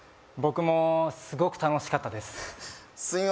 僕もすごく楽しかったです